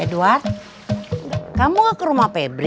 edward kamu ke rumah pebri